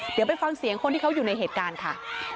เดี๋ยวไปฟังเสียงคนที่เขาอยู่ในเหตุการณ์ค่ะ